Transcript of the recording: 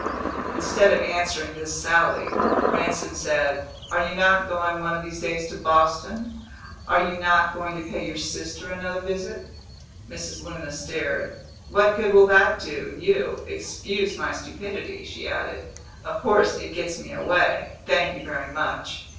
Instead of answering this sally, Ransom said, "Are you not going one of these days to Boston? Are you not going to pay your sister another visit?" Mrs. Luna stared. "What good will that do you? Excuse my stupidity," she added; "of course, it gets me away. Thank you very much!"